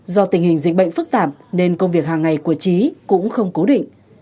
do tình hình dịch bệnh phức tạp nên công việc hàng ngày của trí cũng không cố định